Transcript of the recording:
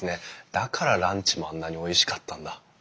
だからランチもあんなにおいしかったんだ。